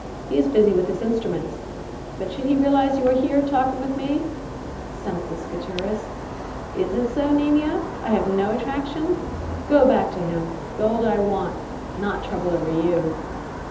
He is busy with his instruments, but should he realize you are here, talking with me " "Senseless, Gutierrez!" "Is it so, Niña? I have no attraction? Go back to him. Gold I want, not trouble over you!"